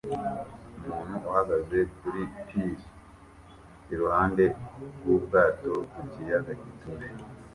Umuntu uhagaze kuri pir iruhande rw'ubwato ku kiyaga gituje